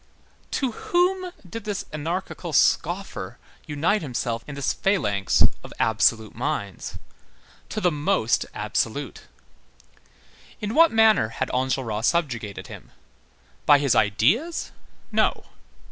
To whom did this anarchical scoffer unite himself in this phalanx of absolute minds? To the most absolute. In what manner had Enjolras subjugated him? By his ideas? No.